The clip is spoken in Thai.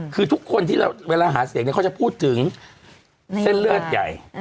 คือทุกคนที่เวลาหาเสียงเขาจะพูดถึงเส้นเลือดใหญ่